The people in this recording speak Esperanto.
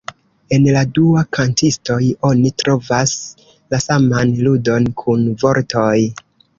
En la dua kantistoj, oni trovas la saman ludon kun vortoj.